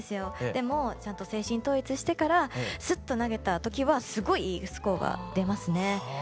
でもちゃんと精神統一してからスッと投げた時はすごいいいスコアが出ますね。